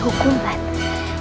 aku ingin tahu